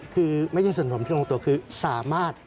คือไม่ใช่ส่วนผมที่ลงตัวคือสามารถ